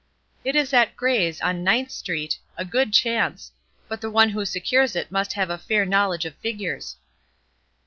"It is at Gray's, on Ninth Street, a good chance; but the one who secures it must have a fair knowledge of figures."